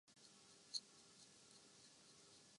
جنگلی حیات انسانوں کے لیئے بہت ضروری ہیں